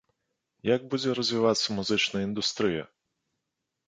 Як будзе развівацца музычная індустрыя?